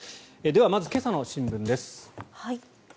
では、まず今朝の新聞です。